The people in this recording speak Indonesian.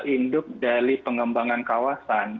induk dari pengembangan kawasan